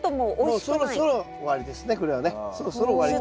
そろそろ終わりですね